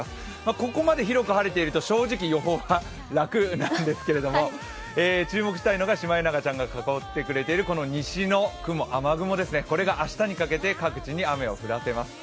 ここまで広く晴れていると正直、予報が楽なんですけれども注目したいのがシマエナガちゃんが囲ってくれている雨雲ですね、これが明日にかけて各地に雨を降らせます。